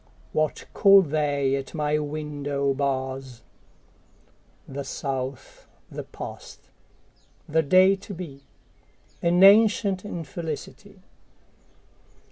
What call they at my window bars? The South, the past, the day to be, An ancient infelicity.